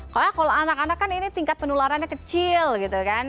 pokoknya kalau anak anak kan ini tingkat penularannya kecil gitu kan